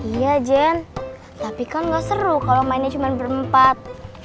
iya jen tapi kan gak seru kalau mainnya cuma berempat